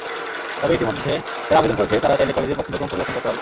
তবে ইতিমধ্যে যারা আবেদন করেছে, তারা চাইলে কলেজের পছন্দক্রম পরিবর্তন করতে পারবে।